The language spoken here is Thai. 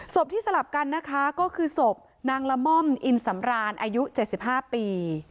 ศพที่สลับกันนะคะก็คือศพนางละม่อมอินสำราญอายุ๗๕ปี